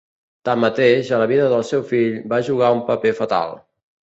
Tanmateix, a la vida del seu fill, va jugar un paper fatal.